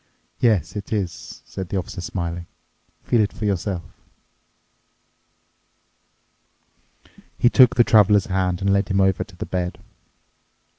"Yes, it is," said the Officer smiling, "feel it for yourself." He took the Traveler's hand and led him over to the bed.